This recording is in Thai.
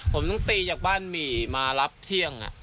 ผมต้องตีจากบ้านหมี่มารับเที่ยง